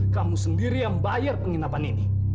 kamu sendiri yang bayar penginapan ini